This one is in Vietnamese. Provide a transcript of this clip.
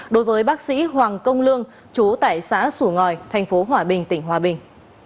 đối với bác sĩ hoàng công lương chú tại xã sủ ngòi thành phố hòa bình tỉnh hòa bình